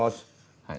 はい。